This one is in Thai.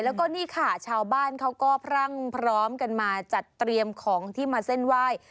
แล้วก็นี่ค่ะชาวบ้านเขาก็พรั่งพร้อมกันมาจัดเตรียมของที่มาเส้นไหว้